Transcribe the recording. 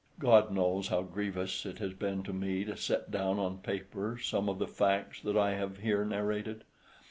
God knows how grievous it has been to me to set down on paper some of the facts that I have here narrated.